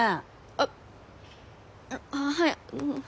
あっあはい